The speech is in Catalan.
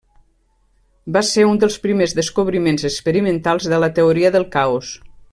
Va ser un dels primers descobriments experimentals de la Teoria del caos.